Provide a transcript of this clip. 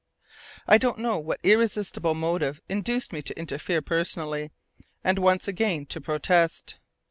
I don't know what irresistible motive induced me to interfere personally, and once again to protest!